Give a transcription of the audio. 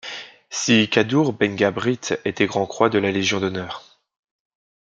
Si Kaddour Benghabrit était grand-croix de la Légion d'honneur.